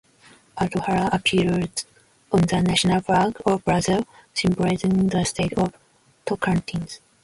Adhara appears on the national flag of Brazil, symbolising the state of Tocantins.